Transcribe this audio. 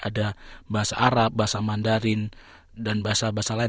ada bahasa arab bahasa mandarin dan bahasa bahasa lain